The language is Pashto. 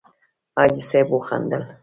حاجي صیب وخندل.